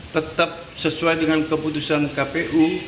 tetap sesuai dengan keputusan kpu